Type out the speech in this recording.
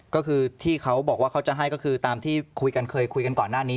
ก็คือที่เขาบอกว่าเขาจะให้ก็คือตามที่คุยกันเคยคุยกันก่อนหน้านี้